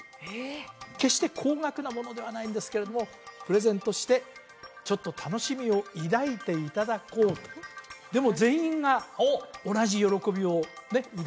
決して高額なものではないんですけれどもプレゼントしてちょっと楽しみを抱いていただこうとでもうわ！